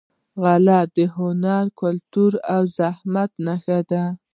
غالۍ د هنر، کلتور او زحمت نښه ده.